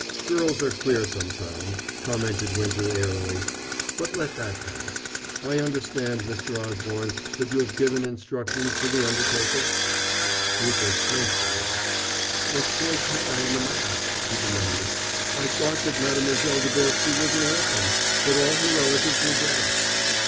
"Girls are queer sometimes," commented Winter airily. "But let that pass. I understand, Mr. Osborne, that you have given instructions to the undertaker?" Rupert flinched a little. "What choice had I in the matter?" he demanded. "I thought that Mademoiselle de Bercy was an orphan that all her relatives were dead."